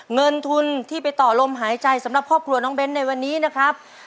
เงินทุนที่ไปต่อลมหายใจสำหรับครอบครัวน้องเบ้นในวันนี้นะครับ